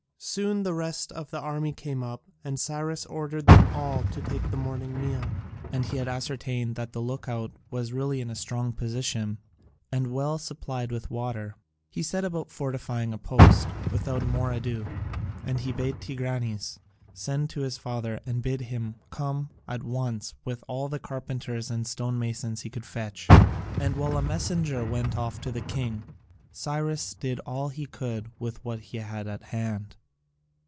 Soon the rest of the army came up, and Cyrus ordered them all to take the morning meal. When it was over, and he had ascertained that the look out was really in a strong position, and well supplied with water, he set about fortifying a post without more ado, and he bade Tigranes send to his father and bid him come at once with all the carpenters and stonemasons he could fetch, and while a messenger went off to the king Cyrus did all he could with what he had at hand.